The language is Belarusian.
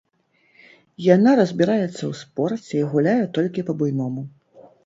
Яна разбіраецца ў спорце і гуляе толькі па-буйному.